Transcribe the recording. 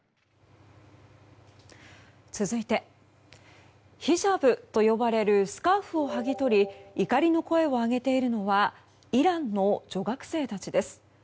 続いてヒジャブと呼ばれるスカーフを剥ぎ取り怒りの声を上げているのはイランの女学生たちです。